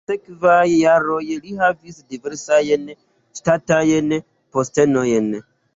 En la sekvaj jaroj li havis diversajn ŝtatajn postenojn.